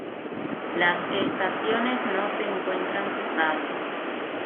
Las estaciones no se encuentran cerradas.